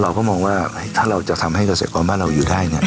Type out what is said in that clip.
เราก็มองว่าถ้าเราจะทำให้เกษตรกรบ้านเราอยู่ได้เนี่ย